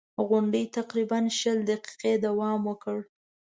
غونډې تقریباً شل دقیقې دوام وکړ.